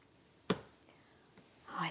はい。